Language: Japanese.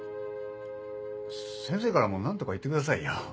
先生からも何とか言ってくださいよ。